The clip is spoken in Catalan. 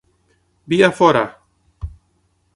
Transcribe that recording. Via fora!!